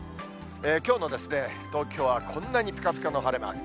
きょうの東京はこんなにぴかぴかの晴れマーク。